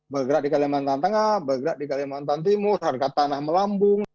bergerak di kalimantan tengah bergerak di kalimantan timur harga tanah melambung